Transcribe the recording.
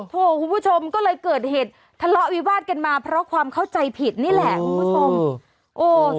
คุณผู้ชมก็เลยเกิดเหตุทะเลาะวิวาดกันมาเพราะความเข้าใจผิดนี่แหละคุณผู้ชม